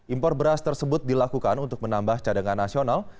impor beras tersebut dilakukan untuk menambah cadangan nasional